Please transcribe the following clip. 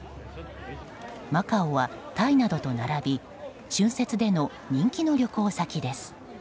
マカオはタイなどと並び春節での人気の旅行先です。